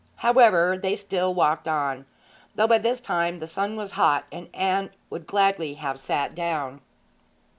However, they still walked on, though by this time the sun was hot and Anne would gladly have sat down.